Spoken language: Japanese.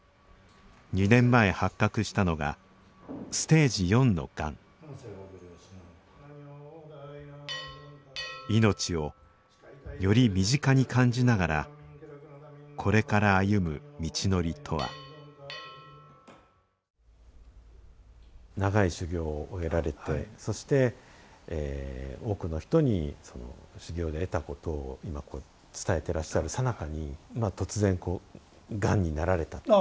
２年前発覚したのがステージ４のがん命をより身近に感じながらこれから歩む道のりとは長い修行を終えられてそして多くの人に修行で得たことを今こう伝えてらっしゃるさなかに突然がんになられたと。